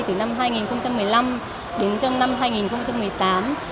từ năm hai nghìn một mươi năm đến trong năm hai nghìn một mươi tám